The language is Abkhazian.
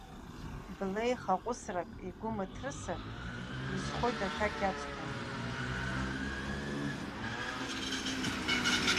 Блеихаҟәысрак игәы мыҭрысыр изхоит ашәақь иаҵхо.